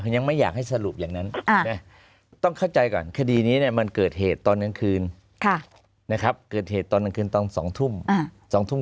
ยังไม่อยากให้สรุปอย่างนั้น